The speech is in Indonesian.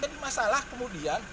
jadi masalah kemudian